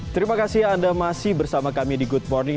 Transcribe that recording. terima kasih anda masih bersama kami di good morning